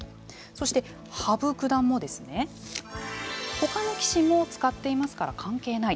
そして、羽生九段もですね他の棋士も使っていますから関係ない。